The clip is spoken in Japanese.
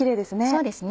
そうですね。